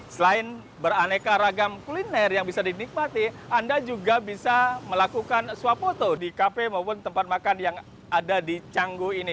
selain beraneka ragam kuliner yang bisa dinikmati anda juga bisa melakukan swap foto di kafe maupun tempat makan yang ada di canggu ini